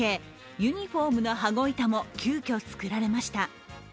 ユニフォームの羽子板も急きょ作られました。